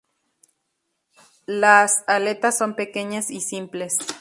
Las aletas son pequeñas y simples.